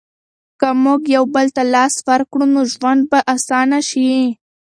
که موږ یو بل ته لاس ورکړو نو ژوند به اسانه شي.